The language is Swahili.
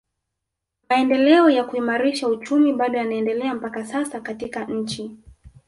Maendeleo ya kuimarisha uchumi bado yanaendelea mpaka sasa katika nchi